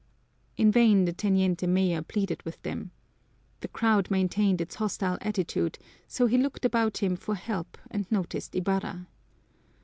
In vain the teniente mayor pleaded with them. The crowd maintained its hostile attitude, so he looked about him for help and noticed Ibarra.